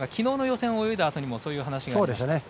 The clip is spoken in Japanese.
せんを泳いだあとにもそういう話がありました。